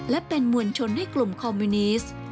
และเป็นมวลชนให้กลุ่มคอมมิวนิสต์